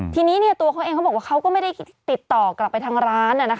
ทีนี้ตัวเขาเองเขาบอกว่าเขาก็ไม่ได้ติดต่อกลับไปทางร้าน